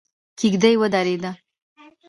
کېږدۍ ودرېده.